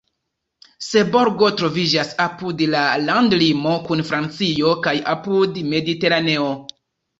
Seborgo troviĝas apud la landlimo kun Francio kaj apud Mediteraneo.